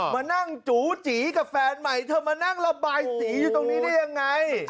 มานั่งจูจีกับแฟนใหม่เธอมานั่งระบายสีอยู่ตรงนี้ได้ยังไง